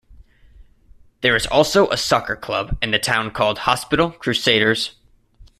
There is also a soccer club in the town called Hospital Crusaders.